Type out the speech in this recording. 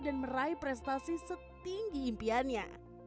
meraih prestasi setinggi impiannya